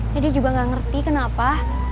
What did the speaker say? dede juga enggak ngerti kenapa